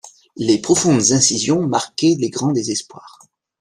Les profondes incisions marquaient les grands désespoirs.